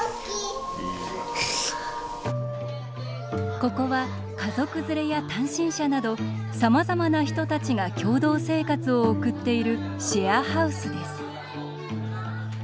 ここは、家族づれや単身者などさまざまな人たちが共同生活を送っているシェアハウスです。